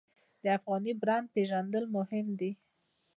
د افغاني برنډ پیژندل مهم دي